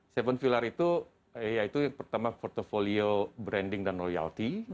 seven pillar itu ya itu yang pertama portfolio branding dan loyalti